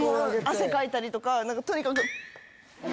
汗かいたりとかとにかく。